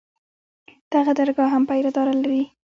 دغه درګاه هم پيره دار لري.